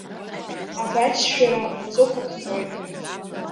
Абаџьшәара аҵыхәа ԥҵәоит!